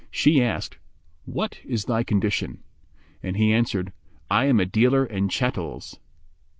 She asked, "What is thy condition?"; and he answered, "I am a dealer in chattels."